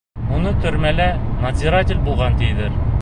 Уны төрмәлә надзиратель булған тиҙәр.